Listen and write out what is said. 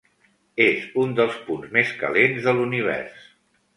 És un dels punts més calents de l'univers.